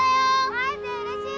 会えてうれしい！